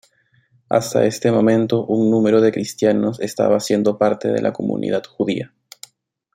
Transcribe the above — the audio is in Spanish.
Hasta este momento un número de cristianos estaba siendo parte de la comunidad judía.